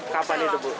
kapan itu bu